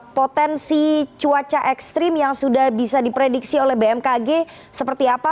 potensi cuaca ekstrim yang sudah bisa diprediksi oleh bmkg seperti apa